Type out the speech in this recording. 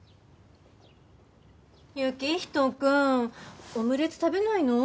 行人君オムレツ食べないの？